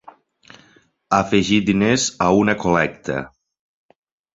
Afegir diners a una col·lecta.